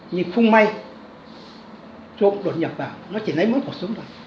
nhìn khung may trộm đột nhập vào nó chỉ lấy mỗi một súng vào